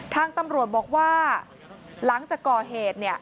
ทางตำรวจบอกว่าหลังจากก่อเหตุเนี่ย